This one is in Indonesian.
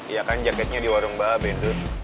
iya kan jaketnya di warung babe itu